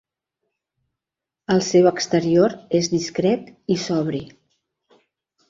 El seu exterior és discret i sobri.